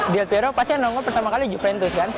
del piero pasti yang nongol pertama kali juventus kan